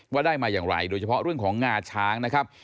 ว่าได้มาอย่างไรโดยเฉพาะเรื่องของงาช้างนะครับ